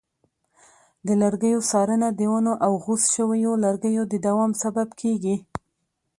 د لرګیو څارنه د ونو او غوڅ شویو لرګیو د دوام سبب کېږي.